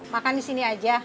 makan di sini aja